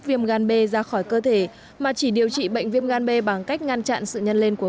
viêm gan b ra khỏi cơ thể mà chỉ điều trị bệnh viêm gan b bằng cách ngăn chặn sự nhân lên của